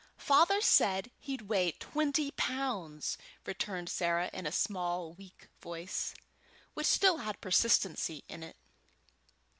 "Father said he'd weigh twenty pounds," returned Sarah, in a small, weak voice, which still had persistency in it.